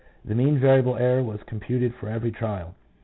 The mean variable error was computed for every trial.